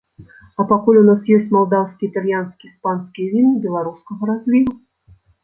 А пакуль у нас ёсць малдаўскія, італьянскія, іспанскія віны беларускага разліву.